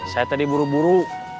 saya tadi buru buru